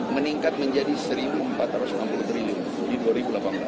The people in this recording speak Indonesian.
meningkat menjadi rp satu empat ratus enam puluh triliun di dua ribu delapan belas